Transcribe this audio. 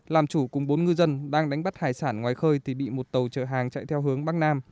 làm chủ cùng bốn ngư dân đang đánh bắt hải sản ngoài khơi thì bị một tàu chở hàng chạy theo hướng bắc nam